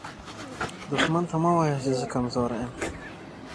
دښمن ته مه وایه “زه کمزوری یم”